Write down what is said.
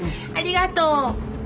ありがとう。